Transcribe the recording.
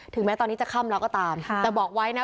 แม้ตอนนี้จะค่ำแล้วก็ตามแต่บอกไว้นะ